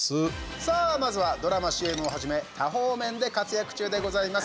さあ、まずはドラマ、ＣＭをはじめ多方面で活躍中でございます。